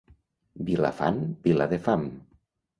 Vilafant, vila de fam.